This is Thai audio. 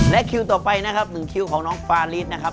และคิวต่อไปนะครับ๑คิวของน้องฟาริสนะครับ